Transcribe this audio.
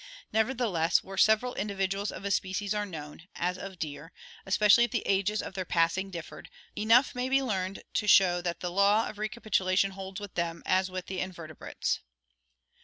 Nevertheless where several individuals of a species are known, as of deer (see Fig. 34), especially if the ages of their passing differed, enough may be learned to show that the law of recapitulation holds with them as with the invertebrates.